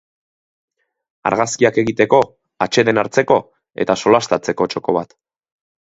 Argazkiak egiteko, atseden hartzeko eta solastatzeko txoko bat.